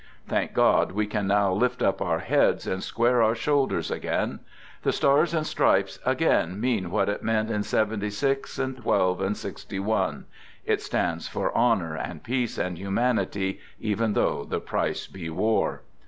Thank God we can now lift up our heads and square our shoulders again! The Stars and Stripes again mean what it meant in '76 and 9 12 and '6i — it stands for honor and peace and humanity even though the price be war.